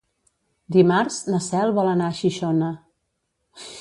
Dimarts na Cel vol anar a Xixona.